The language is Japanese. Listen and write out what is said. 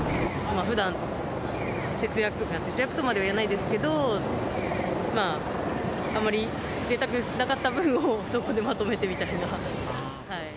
ふだん節約、節約とまではいわないですけど、あまりぜいたくしなかった分を、そこでまとめてみたいな。